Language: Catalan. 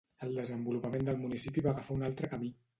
El desenvolupament del municipi va agafar un altre camí.